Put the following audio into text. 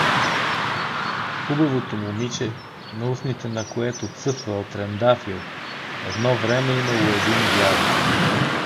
Хубавото момиче, на устните на което цъфвал трендафил Едно време имало един дядо.